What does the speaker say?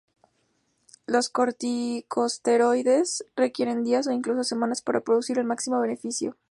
Los corticosteroides requieren días o incluso semanas para producir el máximo beneficio.